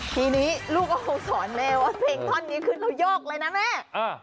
ทีนี้ลูกก็คงสอนแม่ว่าเพลงท่อนนี้ขึ้นแล้วโยกเลยนะแม่